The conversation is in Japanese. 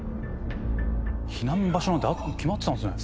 避難場所なんて決まってたんですね。